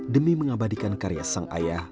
demi mengabadikan karya sang ayah